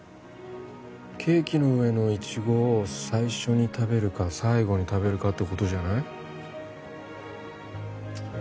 ケーキの上のイチゴを最初に食べるか最後に食べるかってことじゃない？